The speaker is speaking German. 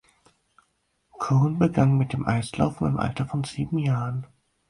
Cohen begann mit dem Eislaufen im Alter von sieben Jahren.